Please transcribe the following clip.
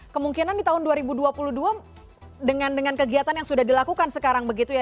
kemungkinan di tahun dua ribu dua puluh dua dengan kegiatan yang sudah dilakukan sekarang begitu ya